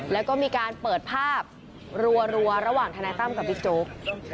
แล้วก็มีการเปิดภาพรัวระหว่างทนายตั้มกับบิ๊กโจ๊ก